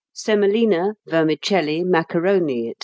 ] Semolina, vermicelli, macaroni, &c.